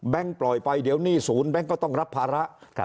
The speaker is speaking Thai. ปล่อยไปเดี๋ยวหนี้ศูนย์แบงค์ก็ต้องรับภาระ